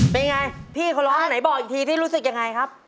เป็นไงพี่เขาร้องอันไหนบอกอีกทีพี่รู้สึกยังไงครับ